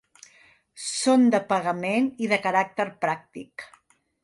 Són de pagament i de caràcter pràctic.